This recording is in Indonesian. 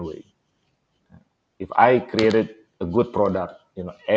jika saya membuat produk yang bagus